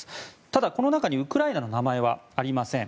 ただ、この中にウクライナの名前はありません。